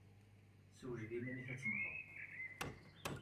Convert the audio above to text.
Ssewjed iman-nnek ad temmted!